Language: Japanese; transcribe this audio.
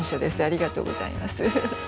ありがとうございます。